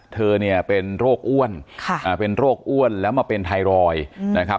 เธอเนี่ยเป็นโรคอ้วนเป็นโรคอ้วนแล้วมาเป็นไทรอยด์นะครับ